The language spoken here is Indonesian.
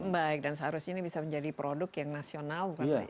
baik dan seharusnya ini bisa menjadi produk yang nasional